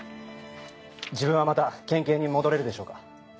自分はまた県警に戻れるでしょうか？